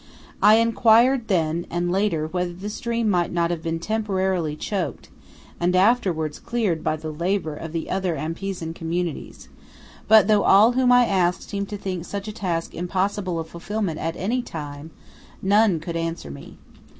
I inquired then and later whether the stream might not have been temporarily choked, and afterwards cleared by the labour of the other Ampezzan communities; but though all whom I asked seemed to think such a task impossible of fulfilment at any time, none could answer me.